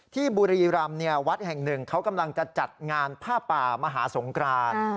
บุรีรำวัดแห่งหนึ่งเขากำลังจะจัดงานผ้าป่ามหาสงคราน